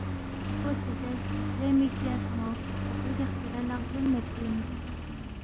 اپو سی زیرس لے مِک جرفان٘و فقیری خپیرا لہ غزون میدپی اِن